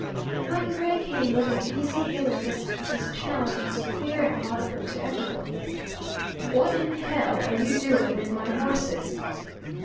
When Gray came within easy hailing distance, his challenge was clear and audible to every one. "What in hell are you doing with my horses?"